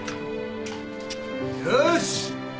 よし。